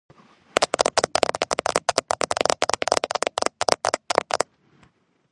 ადმინისტრაციული ცენტრია ქალაქი ბრესტი.